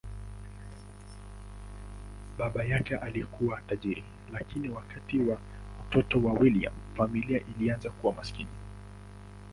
Baba yake alikuwa tajiri, lakini wakati wa utoto wa William, familia ilianza kuwa maskini.